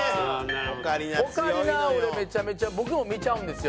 オカリナは俺めちゃめちゃ僕も見ちゃうんですよ。